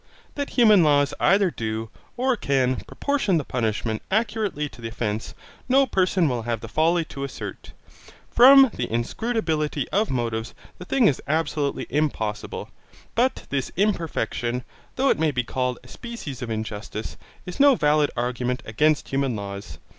That human laws either do, or can, proportion the punishment accurately to the offence, no person will have the folly to assert. From the inscrutability of motives the thing is absolutely impossible, but this imperfection, though it may be called a species of injustice, is no valid argument against human laws.